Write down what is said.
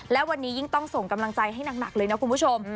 และวันนี้ยิ่งต้องส่งกำลังใจให้หนักเลยนะคุณผู้ชม